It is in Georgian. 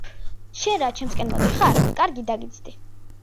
შენ რა, ჩემკენ მოდიხარ? კარგი დაგიცდი.